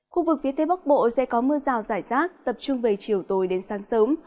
khu vực phía tây bắc bộ sẽ có mưa rào rải rác tập trung về chiều tối đến sáng sớm